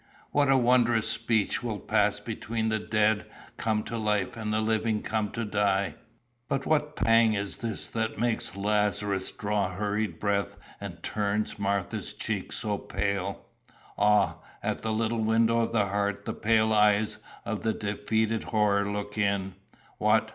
What wondrous speech will pass between the dead come to life and the living come to die! "But what pang is this that makes Lazarus draw hurried breath, and turns Martha's cheek so pale? Ah, at the little window of the heart the pale eyes of the defeated Horror look in. What!